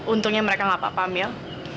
untungnya mereka nggak apa apa mil